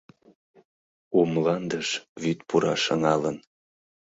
У мландыш вӱд пура шыҥалын.